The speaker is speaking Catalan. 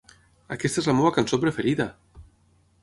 Aquesta és la meva cançó preferida!